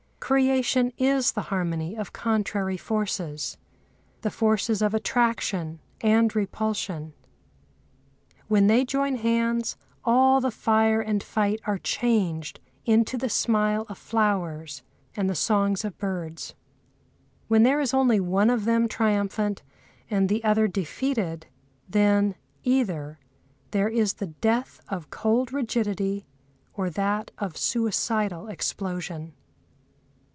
Creation is the harmony of contrary forces—the forces of attraction and repulsion. When they join hands, all the fire and fight are changed into the smile of flowers and the songs of birds. When there is only one of them triumphant and the other defeated, then either there is the death of cold rigidity or that of suicidal explosion.